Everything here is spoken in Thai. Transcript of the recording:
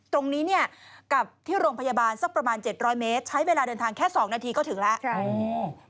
ตรงนี้เนี่ยกับที่โรงพยาบาลสักประมาณ๗๐๐เมตรใช้เวลาเดินทางแค่๒นาทีก็ถึงแล้ว